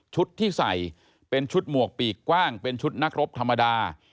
ที่ใส่เป็นชุดหมวกปีกกว้างเป็นชุดนักรบธรรมดา